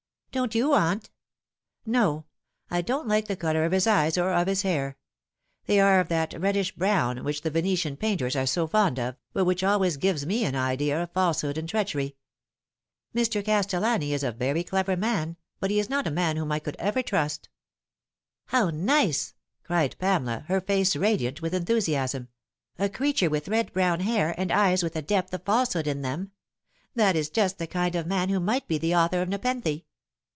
" Don't you, aunt ?" "No. I don't like the colour of his eyes or of his hair. They are of that reddish brown which the Venetian painters are so fond of, but which always give me an idea of falsehood and treachery. Mr. Castellani is a very clever man, but he is not a man whom I could ever trust." " Hownice !" cried Pamela, her face radiant with enthusiasm ;" a creature with red brown hair, and eyes with a depth of f al5 hood in them. That is just the kind of man who might be the author of Nepenthe.